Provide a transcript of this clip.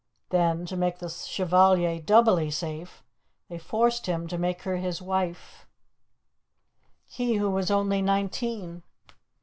Then, to make the Chevalier doubly safe, they forced him to make her his wife he who was only nineteen!